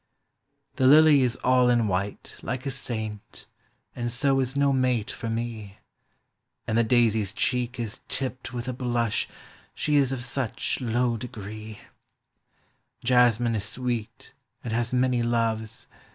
The lily is all in white, like a saint, And so is no mate for me; And the daisy's cheek is tipped with a blush She is of such low degree ; Jasmine is sweet, and has many loves.